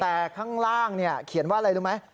แต่ข้างล่างเขียนว่าอะไรรู้ไหม